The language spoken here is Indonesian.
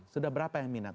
sudah berapa yang minat